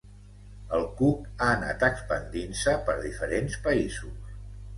El cuc ha anat expandint-se per diferents països.